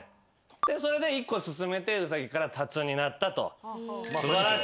それで１個進めてうさぎからたつになったと。